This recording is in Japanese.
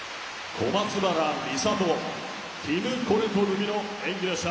小松原美里ティム・コレト組の演技でした。